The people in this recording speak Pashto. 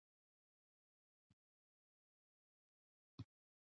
دا کودونه د انجینرانو ملي مسلکي ټولنې جوړ کړي.